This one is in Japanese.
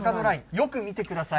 よく見てください。